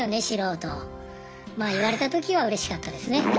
シロウとまぁ言われたときはうれしかったですね。